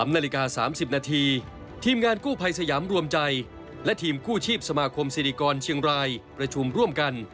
นาฬิกา๓๐นาทีทีมงานกู้ภัยสยามรวมใจและทีมกู้ชีพสมาคมศิริกรเชียงรายประชุมร่วมกัน